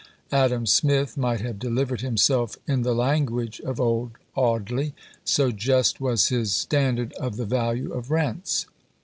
Adam Smith might have delivered himself in the language of old Audley, so just was his standard of the value of rents.